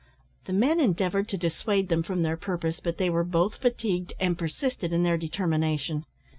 The men endeavoured to dissuade them from their purpose, but they were both fatigued, and persisted in their determination.